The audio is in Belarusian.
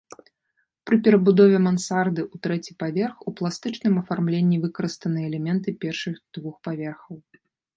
Пры перабудове мансарды ў трэці паверх у пластычным афармленні выкарыстаны элементы першых двух паверхаў.